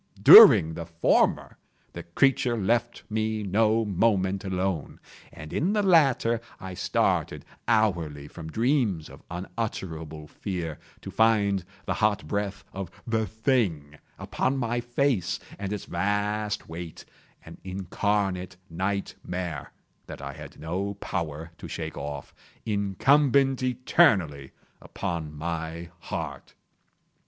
During the former the creature left me no moment alone, and in the latter I started hourly from dreams of unutterable fear to find the hot breath of the thing upon my face, and its vast weight—an incarnate nightmare that I had no power to shake off—incumbent eternally upon my heart!